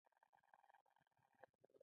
چوکۍ د موټر چلونکي هم لري.